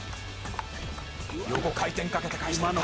横回転かけて返しました。